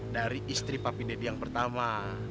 dari istri papi deddy yang pertama